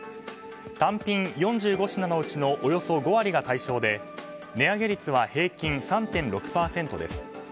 単品４５品のうちのおよそ５割が対象で値上げ率は平均３．６％です。